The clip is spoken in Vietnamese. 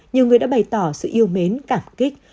nhiều người đã bày tỏ sự yêu mến cảm kích